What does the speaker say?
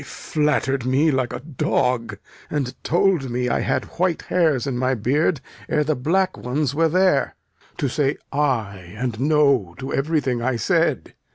They flatter'd me like a dog, and told me I had white hairs in my beard ere the black ones were there. To say 'ay' and 'no' to everything I said!